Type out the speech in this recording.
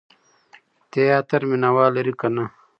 تیاتر مینه وال لري که نه؟